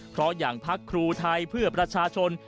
เพราะอย่างพักครูไทยเพื่อประชาชน